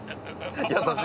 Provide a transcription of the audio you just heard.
優しい！